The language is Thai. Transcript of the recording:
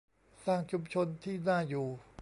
สร้างชุมชนที่น่าอยู่